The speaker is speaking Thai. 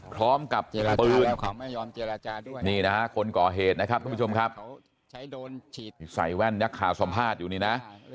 พร้อมกับปืนของยอมเจรจาด้วยนี่นะคนก่อเหตุนะครับผู้ชมครับใช้โดนฉีดใส่แว่นยักษ์ข่าวสัมภาษณ์อยู่นี่นะ